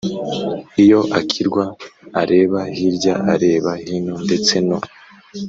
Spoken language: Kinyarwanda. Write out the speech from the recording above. iyo akwirwa areba hirya areba hino ndetse no